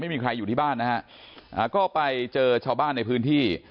ไม่มีใครอยู่ที่บ้านนะฮะก็ไปเจอชาวบ้านในพื้นที่